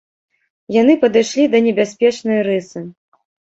Яны падышлі да небяспечнай рысы.